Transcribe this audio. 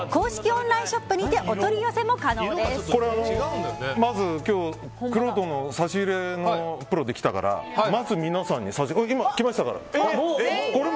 オンラインショップにてまず今日は、くろうとの差し入れのプロで来たからまず、皆さんに差し入れ。